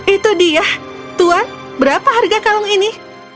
itu dia tuan berapa harga kalung ini